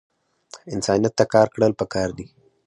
انسانیت ته کار کړل پکار دے